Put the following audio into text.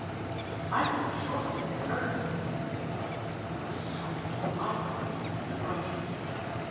"I will shortly return," said Dave, and he went out to the biplane and approached it.